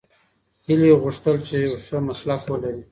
هیلې غوښتل چې یو ښه مسلک ولري.